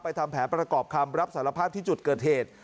ทำแผนประกอบคำรับสารภาพที่จุดเกิดเหตุ